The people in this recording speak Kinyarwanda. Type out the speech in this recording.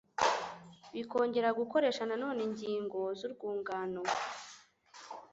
bikongera gukoresha na none ingingo z’urwungano